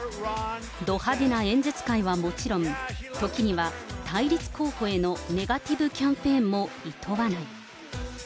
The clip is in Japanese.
ど派手な演説会はもちろん、時には対立候補へのネガティブキャンペーンもいとわない。